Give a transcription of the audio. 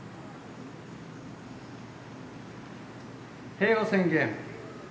平和宣言。